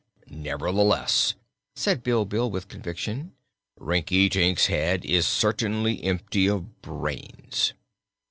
"Nevertheless," said Bilbil with conviction, "Rinkitink's head is certainly empty of brains."